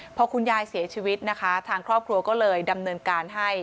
พอคุณยายเสียชีวิตนะคะทางครอบครัวก็เลยดำเนินการให้